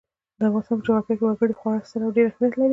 د افغانستان په جغرافیه کې وګړي خورا ستر او ډېر اهمیت لري.